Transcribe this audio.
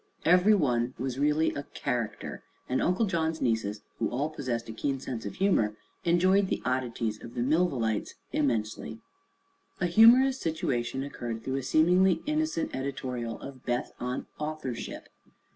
Every one was really a "character," and Uncle John's nieces, who all possessed a keen sense of humor, enjoyed the oddities of the Millvillites immensely. A humorous situation occurred through a seemingly innocent editorial of Beth on authorship.